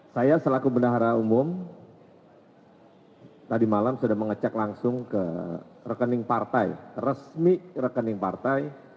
saya selaku bendahara umum tadi malam sudah mengecek langsung ke rekening partai resmi rekening partai